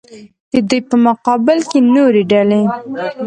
د دوی په مقابل کې نورې ډلې.